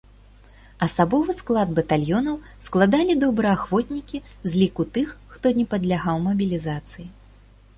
Асабовы склад батальёнаў складалі добраахвотнікі з ліку тых, хто не падлягаў мабілізацыі.